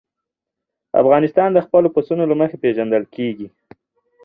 افغانستان د خپلو پسونو له مخې پېژندل کېږي.